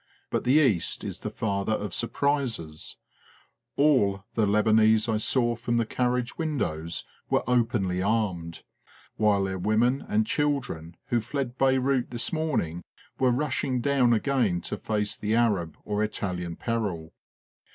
But the East is the father of surprises ! All the Lebanese I saw from the carriage windows were openly armed ; while their women and children who fled Beyrout this morning were rushing down again to face the Arab or Italian peril.